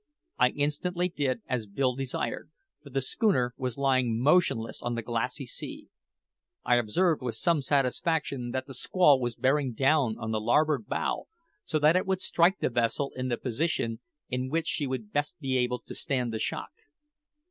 I instantly did as Bill desired, for the schooner was lying motionless on the glassy sea. I observed with some satisfaction that the squall was bearing down on the larboard bow, so that it would strike the vessel in the position in which she would be best able to stand the shock.